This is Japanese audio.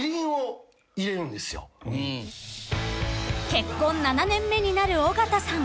［結婚７年目になる尾形さん］